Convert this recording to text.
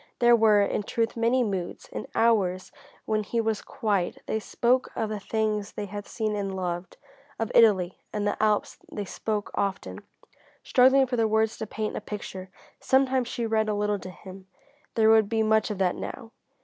There were, in truth, many moods. In hours when he was quiet they spoke of the things they had seen and loved, of Italy and the Alps they spoke often, struggling for the words to paint a picture. Sometimes she read a little to him there would be much of that now.